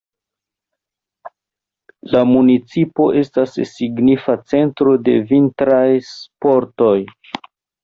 La municipo estas signifa centro de vintraj sportoj.